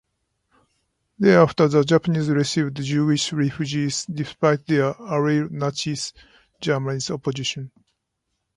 Thereafter, the Japanese received Jewish refugees despite their ally Nazi Germany's opposition.